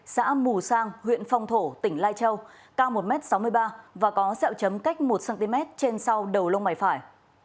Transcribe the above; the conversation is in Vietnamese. xã mù sang huyện phong thổ tỉnh lai châu cao một m sáu mươi ba và có sẹo chấm cách một cm trên sau đầu lông mày phải